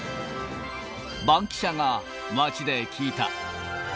バンキシャが街で聞いた。